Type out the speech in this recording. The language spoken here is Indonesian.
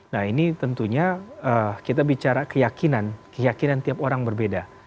nah ini tentunya kita bicara keyakinan keyakinan tiap orang berbeda